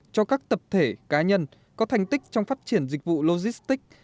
cho các tập thể cá nhân có thành tích trong phát triển dịch vụ logistics